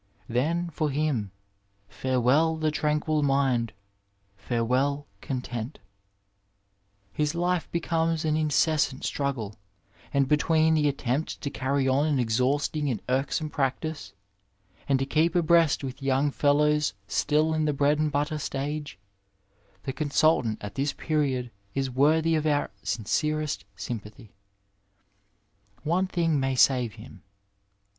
Then for him ''farewell the tranquil mind, farewell content." His life becomes an incessant struggle, and between the attempt to carry on an exhausting and irksome practice, and to keep abreast with young fello¥rs still in the bread cmd butter stage, 150 Digitized by Google INTERNAL MEDICINE AS A VOCATION the consultant at this period is worthy of our sinoerest sympathy^ One thing may save him.